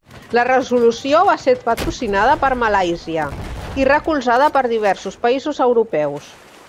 La resolució va ser patrocinada per Malàisia i recolzada per diversos països europeus.